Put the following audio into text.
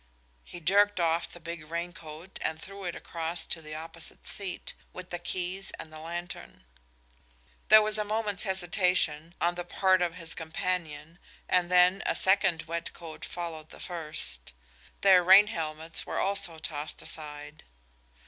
He jerked off the big rain coat and threw it across to the opposite seat, with the keys and the lantern. There was a moment's hesitation on the part of his companion, and then a second wet coat followed the first. Their rain helmets were also tossed aside.